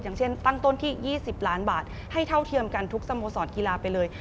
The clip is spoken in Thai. อย่างเช่นตั้งต้นที่๒๐ล้านบาทให้เท่าเทียมกันทุกสโมสรกีฬาไปเลย